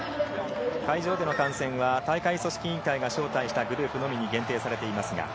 会場での観戦は大会組織委員会が招待したグループのみに限定されています。